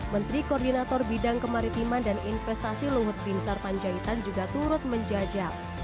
menteri koordinator bidang kemaritiman dan investasi luhut binsar panjaitan juga turut menjajal